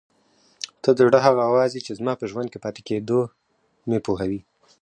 ته د زړه هغه اواز یې چې زما په ژوندي پاتې کېدو مې پوهوي.